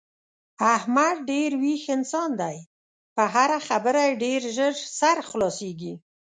احمد ډېر ویښ انسان دی په هره خبره یې ډېر زر سر خلاصېږي.